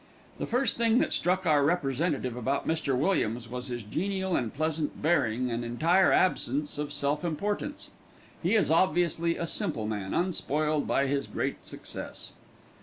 "The first thing that struck our representative about Mr. Williams was his genial and pleasant bearing and entire absence of self importance. He is obviously a simple man, unspoiled by his great success."